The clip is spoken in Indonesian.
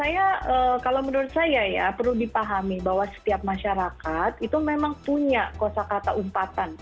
ya kalau menurut saya ya perlu dipahami bahwa setiap masyarakat itu memang punya kosa kata umpatan